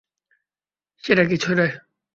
সেটা কী ছোঁড়ে?